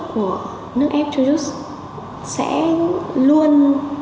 chất lượng của nước ép chujuis sẽ luôn